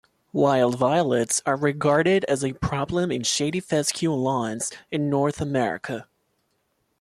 Wild violets are regarded as a problem in shady fescue lawns in North America.